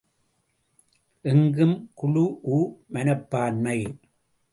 எங்கும் குழுஉ மனப்பான்மை.